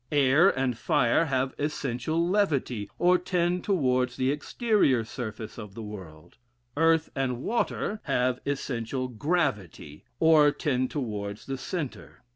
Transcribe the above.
Air and fire have essential levity, or tend towards the exterior surface of the world; earth and water have essential gravity, or tend towards the centre.